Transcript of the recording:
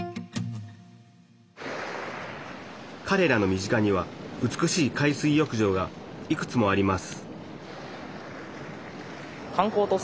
かれらの身近には美しい海水浴場がいくつもあります